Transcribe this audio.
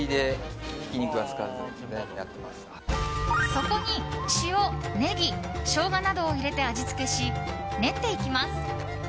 そこに塩、ネギ、ショウガなどを入れて味付けし、練っていきます。